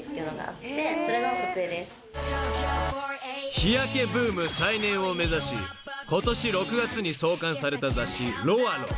［日焼けブーム再燃を目指しことし６月に創刊された雑誌］